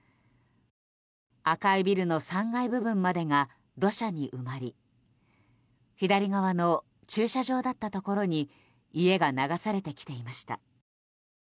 赤いビルの３階部分までが土砂に埋まり左側の駐車場だったところに家が流されてきていました。